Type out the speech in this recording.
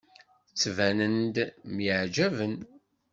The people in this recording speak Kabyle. Ttbanen-d myeɛjaben.